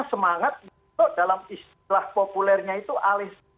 semangat itu dalam istilah populernya itu alih